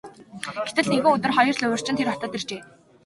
Гэтэл нэгэн өдөр хоёр луйварчин тэр хотод иржээ.